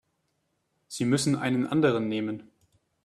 Sie müssen einen anderen nehmen.